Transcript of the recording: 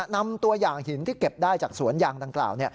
นำตัวอย่างหินที่เก็บได้จากสวนยางดังกล่าว